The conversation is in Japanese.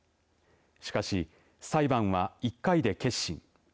しかし、裁判は１回で結審。